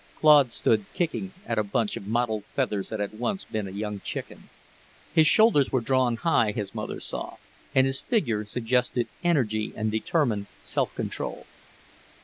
Claude stood kicking at a bunch of mottled feathers that had once been a young chicken. His shoulders were drawn high, his mother saw, and his figure suggested energy and determined self control.